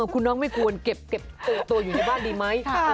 คุณน้องไม่ควรเก็บตัวอยู่ในบ้านดีไหม